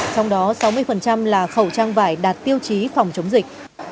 trong đó sáu mươi là khẩu trang vải đạt tiêu chí phòng chống dịch